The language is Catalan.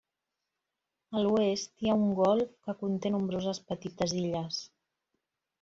A l'oest hi ha un golf que conté nombroses petites illes.